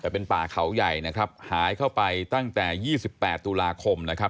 แต่เป็นป่าเขาใหญ่นะครับหายเข้าไปตั้งแต่๒๘ตุลาคมนะครับ